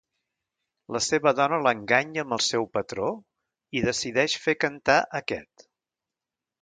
La seva dona l'enganya amb el seu patró, i decideix fer cantar aquest.